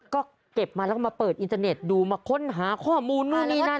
ก็เก็บมาแล้วก็มาเปิดอินเทอร์เน็ตดูมาค้นหาข้อมูลนู่นนี่นั่น